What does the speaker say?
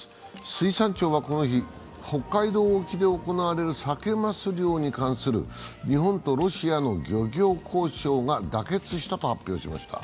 水産庁はこの日、北海道沖で行われるサケ・マス漁に対する日本とロシアの漁業交渉が妥結したと発表しました。